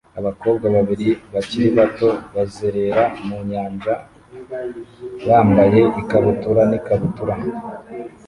Abakobwa babiri bakiri bato bazerera mu nyanja bambaye ikabutura n'ikabutura